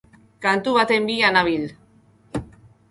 Kantu baten bila nabil.